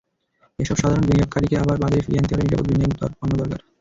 এসব সাধারণ বিনিয়োগকারীকে আবার বাজারে ফিরিয়ে আনতে হলে নিরাপদ বিনিয়োগ পণ্য দরকার।